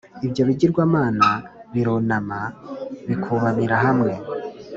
Ibyo bigirwamana birunama bikubamira hamwe